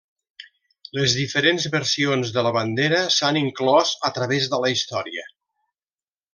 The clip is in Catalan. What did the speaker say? Les diferents versions de la bandera s'han inclòs a través de la història.